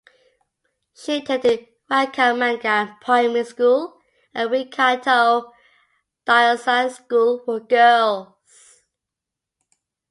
She attended Rakaumanga Primary School and Waikato Diocesan School for Girls.